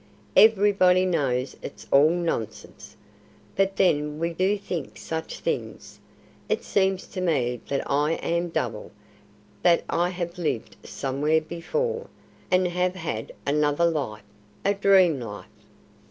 "Everybody knows it's all nonsense. But then we do think such things. It seems to me that I am double, that I have lived somewhere before, and have had another life a dream life."